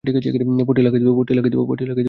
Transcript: পট্টি লাগাই দিবো?